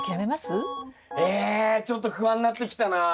えちょっと不安になってきたな。